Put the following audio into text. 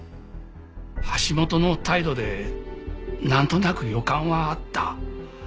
橋本の態度でなんとなく予感はあった。